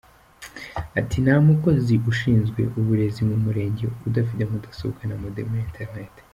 Ati” Nta mukozi ushinzwe uburezi mu Murenge udafite mudasobwa na modem ya internet.